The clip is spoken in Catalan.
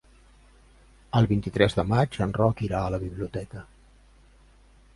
El vint-i-tres de maig en Roc irà a la biblioteca.